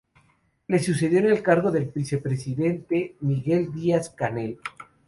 Le sucedió en el cargo de vicepresidente Miguel Díaz-Canel.